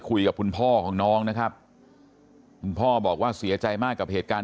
คุยกับคุณพ่อของน้องนะครับคุณพ่อบอกว่าเสียใจมากกับเหตุการณ์